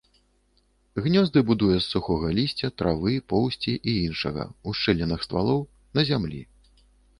Гнёзды будуе з сухога лісця, травы, поўсці і іншага ў шчылінах ствалоў, на зямлі.